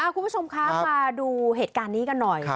คุณผู้ชมคะมาดูเหตุการณ์นี้กันหน่อย